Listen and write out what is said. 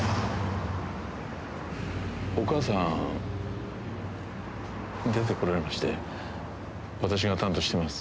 お母さん出てこられまして私が担当してます。